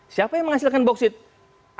siapa yang menghasilkan bauxite